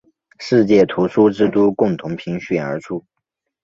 世界图书之都共同评选而出。